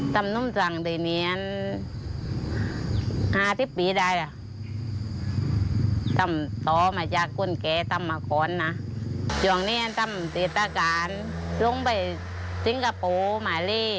ต้องไปสิงคโปร์มารีตำเยอะอะไรฮะตำตำจุ๊งน่ะ